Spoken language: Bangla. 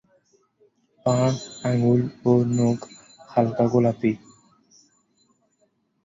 পা, আঙুল ও নখ হালকা গোলাপি।